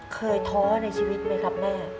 ท้อในชีวิตไหมครับแม่